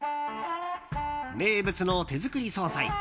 名物の手作り総菜。